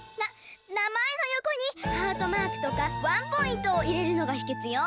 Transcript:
なまえのよこにハートマークとかワンポイントをいれるのがひけつよ。